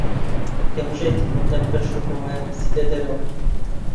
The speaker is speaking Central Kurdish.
گەمژەیت لەم کەشوهەوایە بچیتە دەرەوە.